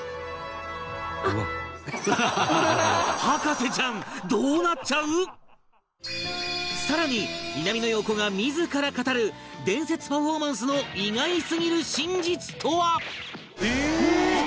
博士ちゃん更に南野陽子が自ら語る伝説パフォーマンスの意外すぎる真実とは？